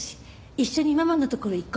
一緒にママのとこへ行こう。